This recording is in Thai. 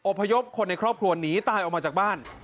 พยพคนในครอบครัวหนีตายออกมาจากบ้าน